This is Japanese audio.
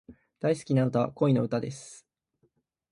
大好きな曲は、恋の歌です。